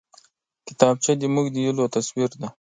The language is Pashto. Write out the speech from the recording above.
کتابچه زموږ د هيلو تصویر دی